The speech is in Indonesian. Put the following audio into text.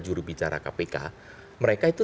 juru bicara kpk mereka itu